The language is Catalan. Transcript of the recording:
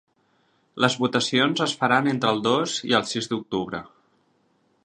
Les votacions es faran entre el dos i el sis d’octubre.